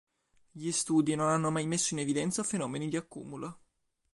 Gli studi non hanno mai messo in evidenza fenomeni di accumulo.